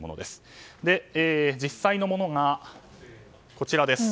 実際のものがこちら。